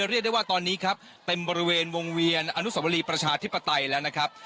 เรียกได้ว่าตอนนี้ครับเต็มบริเวณวงเวียนอนุสวรีประชาธิปไตยแล้วนะครับ